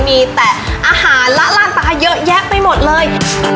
มีแต่อาหารละลาดปลาเยอะแยะไปหมดเลย